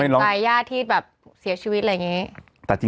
ใจญาติที่แบบเสียชีวิตอะไรอย่างนี้